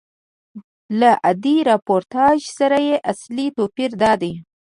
له عادي راپورتاژ سره یې اصلي توپیر دادی.